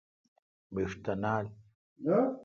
مݭ تھ نال۔